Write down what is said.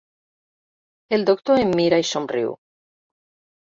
El doctor em mira i somriu.